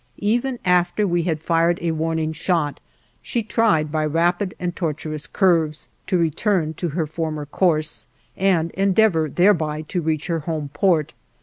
Even after we had fired a warning shot, she tried by rapid and tortuous curves to return to her former course, and endeavor thereby to reach her home port.